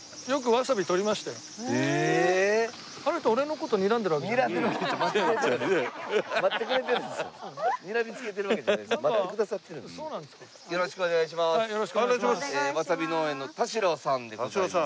わさび農園の田代さんでございます。